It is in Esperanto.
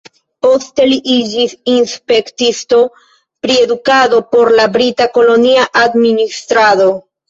Poste li iĝis inspektisto pri edukado por la brita kolonia administrado.